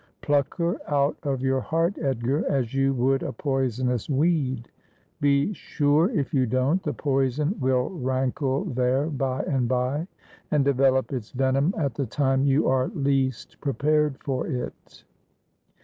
Pluck her out of your heart, Edgar, as you would a poisonous weed. Be sure, if you don't, the poison will rankle there by and by, and develop its venom at the time you are least prepared for it.'